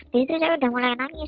jadi terus saya udah mulai nangis